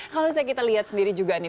kalau misalnya kita lihat sendiri juga nih